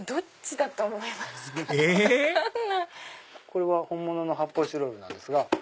これは本物の発泡スチロールなんですが。